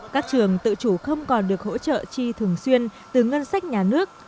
các trường tự chủ không còn được hỗ trợ chi thường xuyên từ ngân sách nhà nước